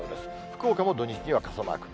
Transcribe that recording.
福岡も、土日には傘マーク。